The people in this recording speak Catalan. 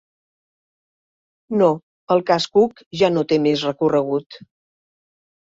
No, el cas Cook ja no té més recorregut.